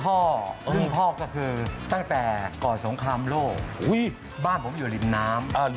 รุ่นพ่อก็คือตั้งแต่ก่อนสงครามโลกบ้านผมอยู่ริมน้ำ